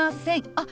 あっ。